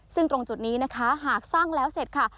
ซึ่งตรงจุดนี้นะคะหากสร้างแล้วเสร็จค่ะ